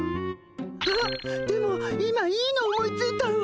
あっでも今いいの思いついたわ。